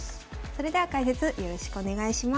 それでは解説よろしくお願いします。